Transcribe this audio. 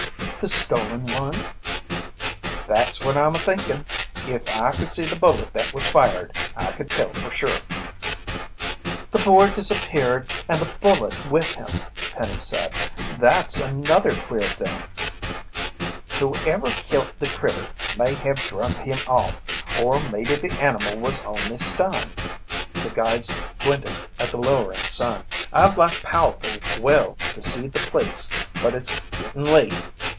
"The stolen one?" "That's what I'm a thinkin'. If I could see the bullet that was fired, I could tell fer sure." "The boar disappeared and the bullet with him," Penny said. "That's another queer thing." "Whoever kilt the critter may have drug him off, or maybe the animal was only stunned." The guide squinted at the lowering sun. "I'd like powe'ful well to see the place, but it's gitten late.